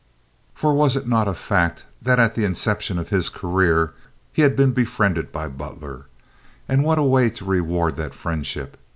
For, was it not a fact, that at the inception of his career, he had been befriended by Butler? And what a way to reward that friendship!